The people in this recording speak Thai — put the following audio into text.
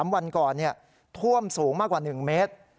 ๓วันก่อนท่วมสูงมากกว่า๑เมตร